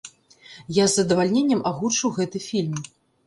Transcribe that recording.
Я з задавальненнем агучыў гэты фільм.